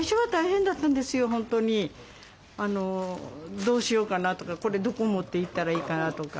どうしようかなとかこれどこ持って行ったらいいかなとか。